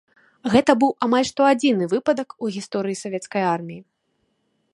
Гэта быў амаль што адзіны выпадак у гісторыі савецкай арміі.